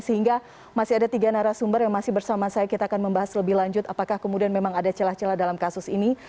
sehingga masih ada tiga narasumber yang masih bersama saya kita akan membahas lebih lanjut apakah kemudian memang ada celah celah dalam kasus ini